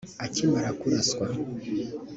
Akimara kuraswa